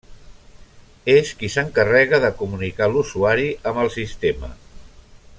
És qui s'encarrega de comunicar l'usuari amb el sistema.